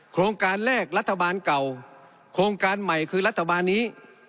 โครงการแรกรัฐบาลเก่าโครงการใหม่คือรัฐบาลนี้